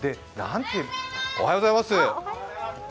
おはようございます。